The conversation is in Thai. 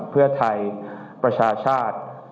เพื่อไทยประชาชาติ